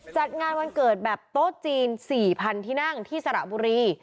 จัดงานวันเกิดแบบโต๊ะจีน๔๐๐๐ที่นั่งที่สระบุรี